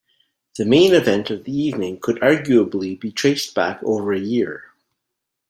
The main event of the evening could arguably be traced back over a year.